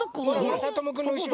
まさともくんのうしろ。